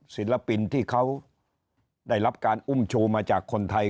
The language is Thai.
ศิลปินที่เขาได้รับการอุ้มชูมาจากคนไทย